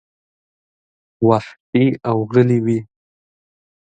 وحشي او غلي وې.